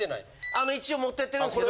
あの一応持ってってるんですけど。